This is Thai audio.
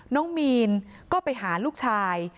น้องมีนก็ไปหาลูกชาย